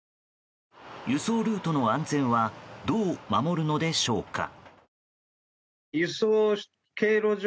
輸送ルートの安全はどう守るのでしょうか。